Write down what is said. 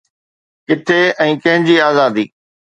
ڪٿي ۽ ڪنهن جي آزادي؟